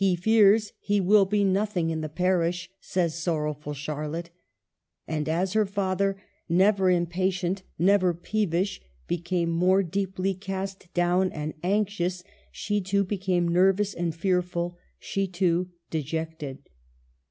" He fears he will be nothing in the parish," says sorrowful Charlotte. And as her father, never impatient, never peevish, became more deeply cast down and anxious, she, too, became nervous and fearful ; she, too, dejected.